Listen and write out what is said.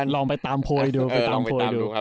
ลองไปตามโพลดู